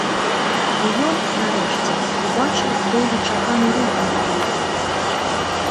І ён, нарэшце, убачыў доўгачаканы рух на дарозе.